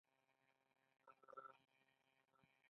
بل متل وايي: خپل عمل د لارې مل.